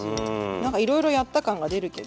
何かいろいろやった感が出るけど。